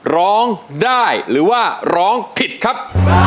ร้องได้หรือว่าร้องผิดครับ